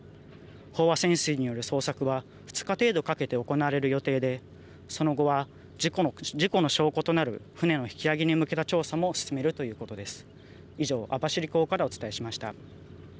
飽和潜水による捜索は２日程度かけて行われる予定でその後は事故の証拠となる船の引き揚げに向けた調査も進めるということです。